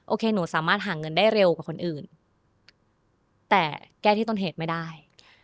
โคหนูสามารถหาเงินได้เร็วกว่าคนอื่นแต่แก้ที่ต้นเหตุไม่ได้